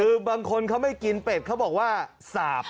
คือบางคนเขาไม่กินเป็ดเขาบอกว่าสาบ